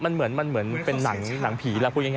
เนี่ยมันเหมือนเป็นหนังผีละครูง่าย